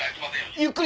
ゆっくり。